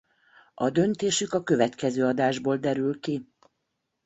A döntésük a következő adásból derül ki.